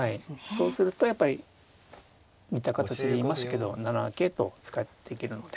そうするとやっぱり似た形で言いましたけど７七桂と使っていけるので。